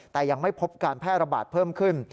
แต่ยังไม่พบการแพร่ระบาดเพิ่มขึ้น